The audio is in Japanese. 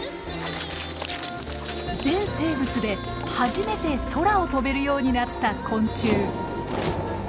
全生物で初めて空を飛べるようになった昆虫。